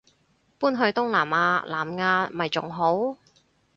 搬去東南亞南亞咪仲好